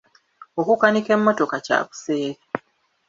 Okukanika emmotoka kya buseere.